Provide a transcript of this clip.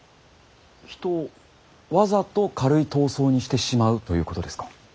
人をわざと軽い痘瘡にしてしまうということですか？